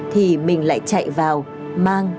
thì mình lại chạy vào mang